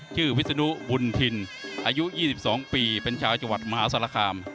วิศนุบุญทินอายุ๒๒ปีเป็นชาวจังหวัดมหาศาลคาม